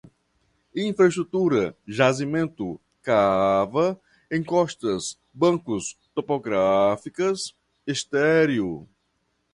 infra-estrutura, jazimento, cava, encostas, bancos, topográficas, estéril